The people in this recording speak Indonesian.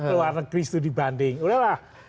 luar negeri itu dibanding udah lah